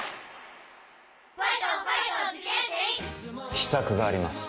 秘策があります。